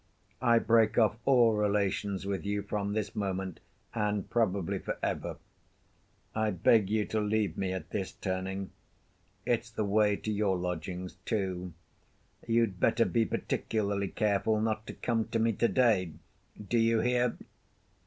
I break off all relations with you from this moment and probably for ever. I beg you to leave me at this turning. It's the way to your lodgings, too. You'd better be particularly careful not to come to me to‐day! Do you hear?"